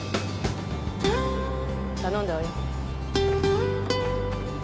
頼んだわよ。